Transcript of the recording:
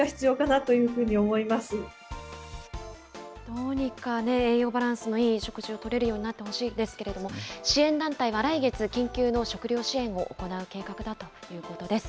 どうにか栄養バランスのいい食事をとれるようになってほしいんですけれども、支援団体は来月、緊急の食料支援を行う計画だということです。